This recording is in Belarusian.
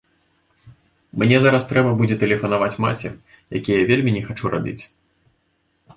Мне зараз трэба будзе тэлефанаваць маці, які я вельмі не хачу рабіць.